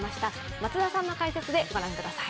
松田さんの解説で、ご覧ください。